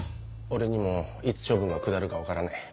俺にもいつ処分が下るか分からねえ。